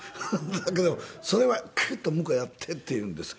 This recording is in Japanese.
だけどそれは「クッと向こうへやって」って言うんです。